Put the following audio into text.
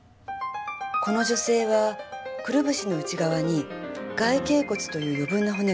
この女性はくるぶしの内側に外脛骨という余分な骨がある。